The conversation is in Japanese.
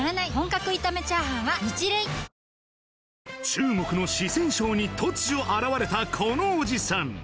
中国の四川省に突如現れたこのおじさん